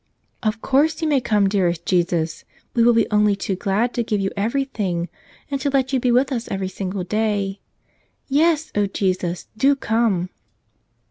"Of course, You may come, dearest Jesus! We will be only too glad to give You everything and to let You be with us every single day. Yes, O Jesus, do come!"